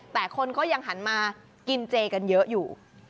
แต่คนก็ยังหันมากินเจกันเยอะอยู่